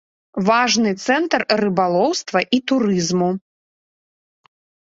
Важны цэнтр рыбалоўства і турызму.